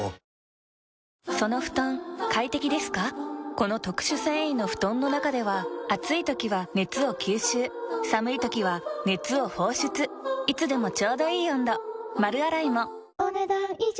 この特殊繊維の布団の中では暑い時は熱を吸収寒い時は熱を放出いつでもちょうどいい温度丸洗いもお、ねだん以上。